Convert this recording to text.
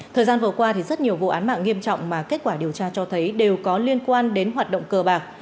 thời gian vừa qua thì rất nhiều vụ án mạng nghiêm trọng mà kết quả điều tra cho thấy đều có liên quan đến hoạt động cờ bạc